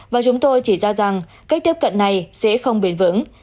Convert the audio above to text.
và chúng tôi chỉ ra rằng cách tiếp cận này sẽ không bền vững